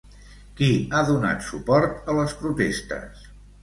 Qui ha donat suport a les protestes?